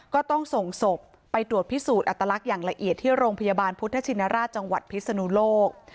ก็ต้องส่งศพไปตรวจพิสูจน์อัตลักษณ์อย่างละเอียดที่โรงพยาบาลพุทธชินราชจังหวัดพิศนุโลก